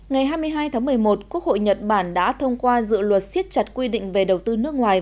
ngày hai mươi hai tháng một mươi một quốc hội nhật bản đã thông qua dự luật siết chặt quy định về đầu tư nước ngoài